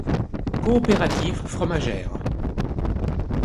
Coopérative fromagère.